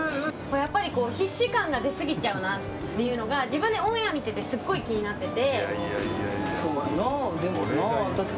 やっぱり必死感が出すぎちゃうなっていうのが自分でオンエア見ててすごい気になってて。